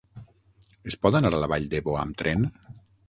Es pot anar a la Vall d'Ebo amb tren?